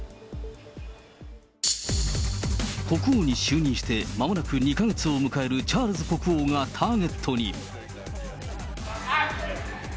国王に就任してまもなく２か月を迎えるチャールズ国王がターゲットに。